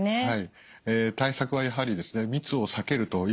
はい。